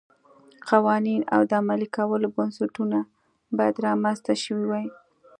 قوانین او د عملي کولو بنسټونه باید رامنځته شوي وای.